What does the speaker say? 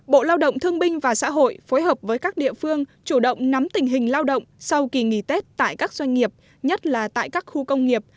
bộ lao động thương binh và xã hội phối hợp với các địa phương chủ động nắm tình hình lao động sau kỳ nghỉ tết tại các doanh nghiệp nhất là tại các khu công nghiệp